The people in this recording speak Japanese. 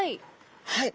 はい。